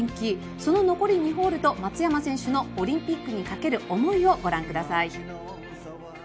その２ホールと松山選手のオリンピックにかける思いをご覧ください。